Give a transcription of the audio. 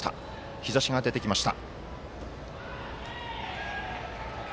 日ざしが出てきました。